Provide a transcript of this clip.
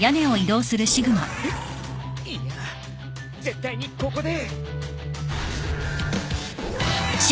いや絶対にここで！